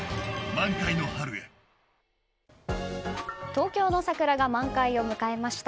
東京の桜が満開を迎えました。